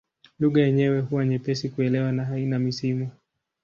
Lugha yenyewe huwa nyepesi kuelewa na haina misimu.